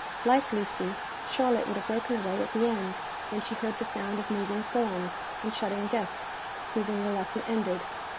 Like Lucy, Charlotte would have broken away at the end, when she heard the sound of moving forms, and shutting desks, proving the lesson ended.